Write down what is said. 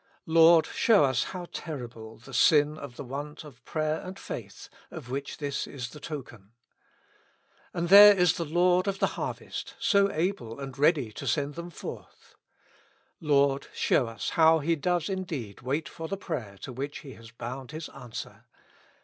Lord, show us how terrible the sin of the want of prayer and faith, of which this is the token. And there is the Lord of the harvest, so able and ready to send them forth. Lord, show us how He does indeed wait for the prayer to which He has bound His answer.